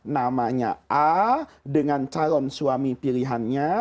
namanya a dengan calon suami pilihannya